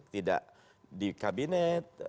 tidak di kabinet